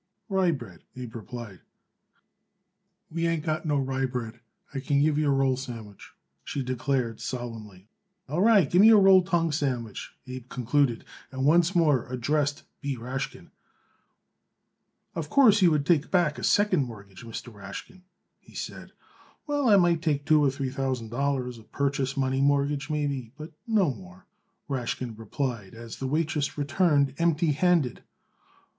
"Rye bread," Abe replied. "We ain't got no rye bread; I could give you a roll sandwich," she declared solemnly. "All right, give me a roll tongue sandwich," Abe concluded, and once more addressed B. Rashkin. "Of course you would take back a second mortgage, Mr. Rashkin," he said. "Well, I might take two or three thousand dollars, a purchase money mortgage, but no more," Rashkin replied, as the waitress returned empty handed.